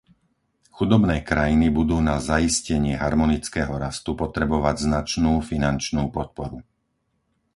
Chudobné krajiny budú na zaistenie harmonického rastu potrebovať značnú finančnú podporu.